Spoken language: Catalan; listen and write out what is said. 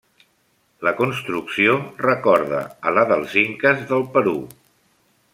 La construcció recorda a la dels inques del Perú.